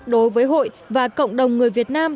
đối với hội và cộng đồng người việt nam